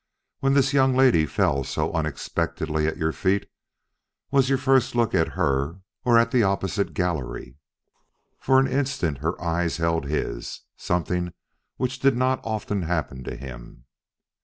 When this young lady fell so unexpectedly at your feet, was your first look at her or at the opposite gallery?" For an instant her eyes held his something which did not often happen to him.